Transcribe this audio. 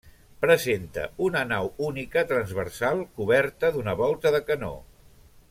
Presenta una nau única transversal coberta d'una volta de canó.